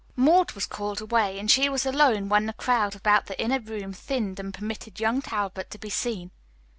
Maud was called away, and she was alone when the crowd about the inner room thinned and permitted young Talbot to be seen.